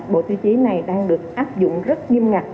bộ tiêu chí này đang được áp dụng rất nghiêm ngặt